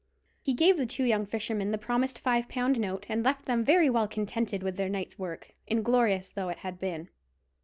He gave the two young fishermen the promised five pound note, and left them very well contented with their night's work, inglorious though it had been.